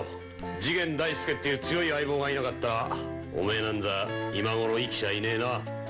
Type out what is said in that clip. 次元大介っていう強い相棒がいなかったらおめえなんざ今頃生きちゃいねえな。